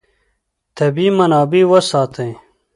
طبیعي منابع وساتئ.